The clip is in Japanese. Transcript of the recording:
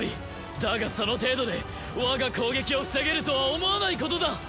だがその程度で我が攻撃を防げるとは思わないことだ！